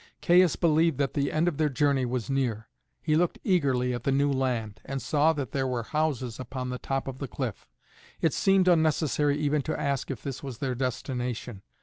Caius believed that the end of their journey was near; he looked eagerly at the new land, and saw that there were houses upon the top of the cliff. It seemed unnecessary even to ask if this was their destination.